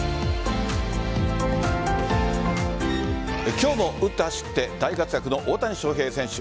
今日も打って走って大活躍の大谷翔平選手。